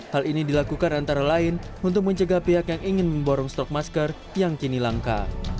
hal ini dilakukan antara lain untuk mencegah pihak yang ingin memborong stok masker yang kini langka